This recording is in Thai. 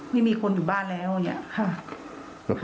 ไม่มีคนอยู่บ้านแล้วอย่างนี้ค่ะ